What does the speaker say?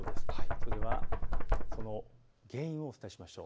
それではその原因をお伝えしましょう。